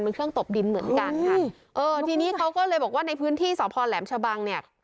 เป็นเครื่องตบดินเหมือนกันค่ะเออทีนี้เขาก็เลยบอกว่าในพื้นที่สพแหลมชะบังเนี่ย